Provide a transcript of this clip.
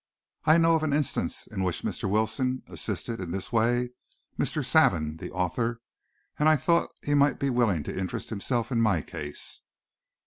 I know of an instance in which Mr. Wilson, assisted, in this way, Mr. Savin the author, and I thought he might be willing to interest himself in my case."